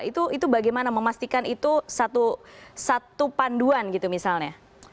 jadi itu bagaimana memastikan itu satu panduan gitu misalnya